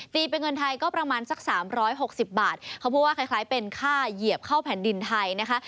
เป็นเงินไทยก็ประมาณสักสามร้อยหกสิบบาทเขาพูดว่าคล้ายเป็นค่าเหยียบเข้าแผ่นดินไทยนะคะ